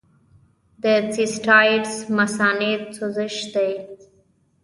د سیسټایټس د مثانې سوزش دی.